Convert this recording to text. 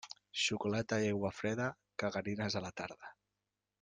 Xocolata i aigua freda, cagarines a la tarda.